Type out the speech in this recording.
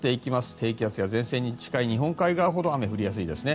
低気圧や前線に近い日本海側ほど雨が降りやすいですね。